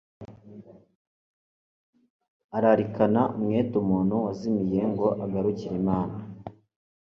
ararikana umwete umuntu wazimiye ngo agarukire Imana.